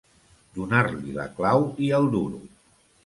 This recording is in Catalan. Donar-li la clau i el duro.